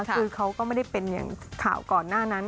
คือเขาก็ไม่ได้เป็นอย่างข่าวก่อนหน้านั้น